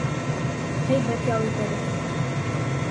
Һәйбәт ял итәбеҙ.